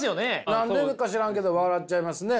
何でか知らんけど笑っちゃいますね。